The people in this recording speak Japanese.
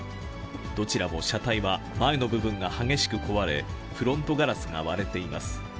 どちらも車体は前の部分が激しく壊れ、フロントガラスが割れています。